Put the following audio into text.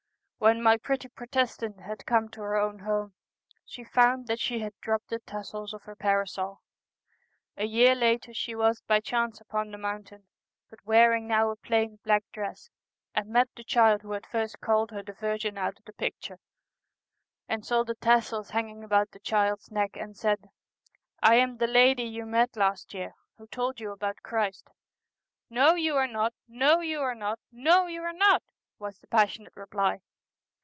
When my pretty Protestant had come to her own home she found that she had dropped the tassels of her parasol. A year later she was by chance upon the mountain, but wearing now a plain black dress, and met the child who had first called her the Virgin out o' the picture, and saw the tassels hanging about the child's neck, and said, ' I am the lady you met last year, who told you about Christ.' ' No, you are not ! no, you are not ! no, you are not !' was the passionate reply.